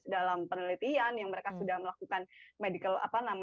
dalam penelitian yang mereka sudah melakukan